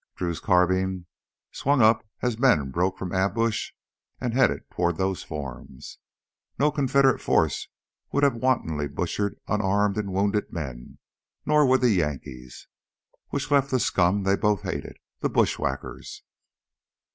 Drew's carbine swung up as men broke from ambush and headed toward those forms. No Confederate force would have wantonly butchered unarmed and wounded men, nor would the Yankees. Which left the scum they both hated the bushwhackers!